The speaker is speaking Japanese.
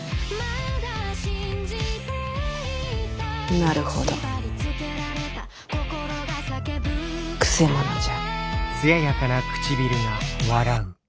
なるほどくせ者じゃ。